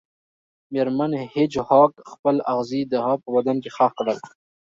میرمن هیج هاګ خپل اغزي د هغه په بدن کې ښخ کړل